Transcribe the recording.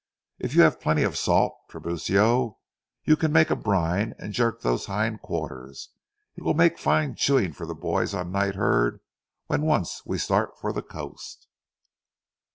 If you have plenty of salt, Tiburcio, you can make a brine and jerk those hind quarters. It will make fine chewing for the boys on night herd when once we start for the coast."